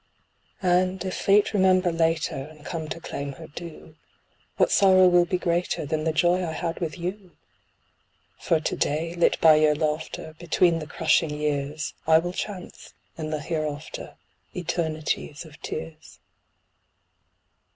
And if Fate remember later, and come to claim her due, What sorrow will be greater than the Joy I had with you? For to day, lit by your laughter, between the crushing years, I will chance, in the hereafter, eternities of tears.